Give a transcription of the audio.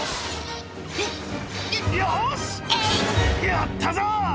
やったぞ！